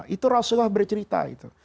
itu rasulullah bercerita itu